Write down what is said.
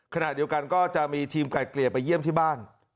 ขณะเดียวกันก็จะมีทีมไก่เกลี่ยไปเยี่ยมที่บ้าน